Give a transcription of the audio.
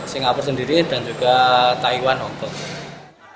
singapura sendiri dan juga taiwan hong kong